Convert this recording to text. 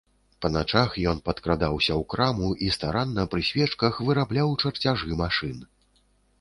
Па начах ён падкрадаўся ў краму і старанна пры свечках вырабляў чарцяжы машын.